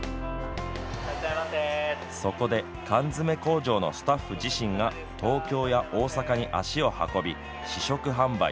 そこで缶詰工場のスタッフ自身が東京や大阪に足を運び試食販売。